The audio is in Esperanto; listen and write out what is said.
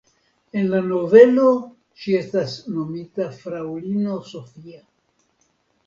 En la novelo ŝi estas nomita fraŭlino Sofia.